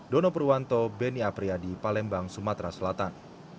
dono purwanto beni apriyadi palembang sumatera selatan